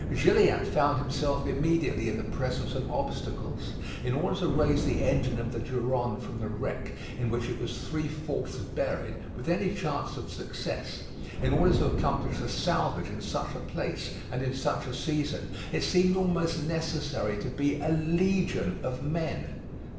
Gilliatt found himself immediately in the presence of obstacles. In order to raise the engine of the Durande from the wreck in which it was three fourths buried, with any chance of success in order to accomplish a salvage in such a place and in such a season, it seemed almost necessary to be a legion of men.